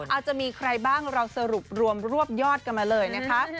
อาจจะมีใครบ้างเราสรุปรวมรวบยอดกันมาเลยนะคะ